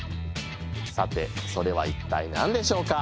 さてそれは一体何でしょうか。